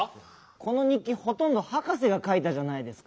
この日記ほとんどハカセがかいたじゃないですか。